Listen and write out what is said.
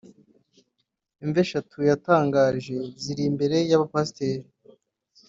Imva eshatu yatangaje ziri imbere y’abapasiteri